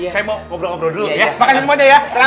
saya mau ngobrol ngobrol dulu ya makanya semuanya ya